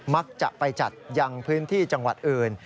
มักจะไปจัดยังพื้นที่จังหวัดอื่น